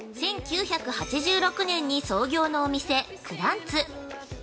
１９８６年に創業のお店「クランツ」。